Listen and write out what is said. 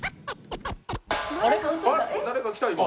誰か来た、今。